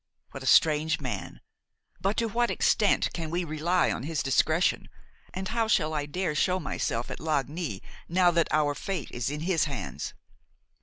What a strange man! But to what extent can we rely on his discretion, and how shall I dare show myself at Lagny now that our fate is in his hands?